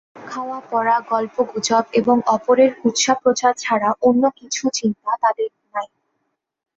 খাওয়া-পরা গল্প-গুজব এবং অপরের কুৎসা-প্রচার ছাড়া অন্য কিছু চিন্তা তাঁহাদের নাই।